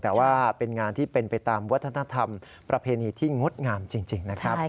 แต่ว่าเป็นงานที่เป็นไปตามวัฒนธรรมประเพณีที่งดงามจริงนะครับ